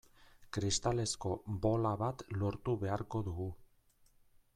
Kristalezko bola bat lortu beharko dugu.